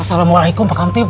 assalamualaikum pak kantib